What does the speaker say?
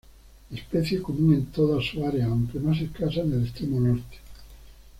Especie común en toda su área, aunque más escasa en el extremo norte.